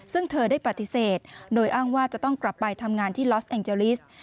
ซึ่งเธอได้ปฏิเสธโดยอ้างว่าจะต้องกลับไปทำงานที่ลอสแองเจลิส